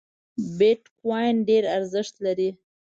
بیټ کواین ډېر ارزښت لري